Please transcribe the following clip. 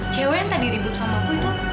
cewek yang tadi ribut sama aku itu